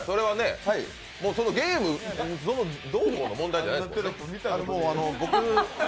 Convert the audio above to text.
ゲームどうこうの問題じゃないですよね。